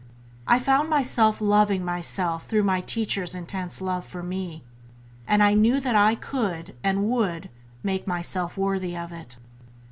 "I found myself loving myself through my teacher's intense love for me, and I knew that I could and would make myself worthy of it".